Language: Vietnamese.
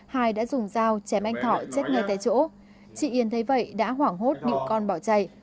hai đã dùng dao chém anh thọ chết ngay tại chỗ chị yên thấy vậy đã hoảng hốt bị con bỏ chạy